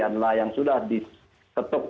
adalah yang sudah disetup